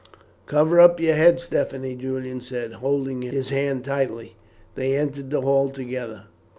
"Cover up your head, Stephanie," Julian said as, holding his hand tightly, they entered the hall together.